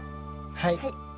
はい。